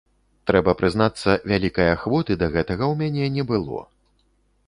Трэба прызнацца, вялікай ахвоты да гэтага ў мяне не было.